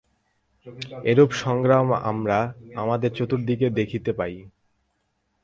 এইরূপ সংগ্রাম আমরা আমাদের চতুর্দিকে দেখিতে পাই।